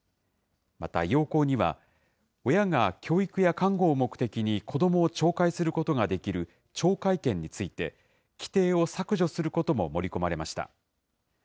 また要綱には、親が教育や監護を目的に子どもを懲戒することができる懲戒権について、規定を削除することも盛り込まれました。